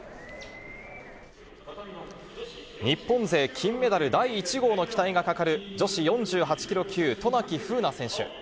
日本勢金メダル第１号の期待がかかる女子４８キロ級、渡名喜風南選手。